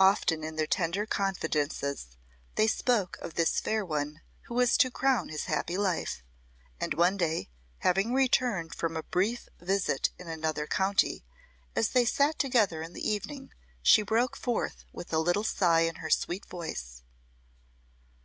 Often in their tender confidences they spoke of this fair one who was to crown his happy life, and one day, having returned from a brief visit in another county, as they sat together in the evening she broke forth with a little sigh in her sweet voice.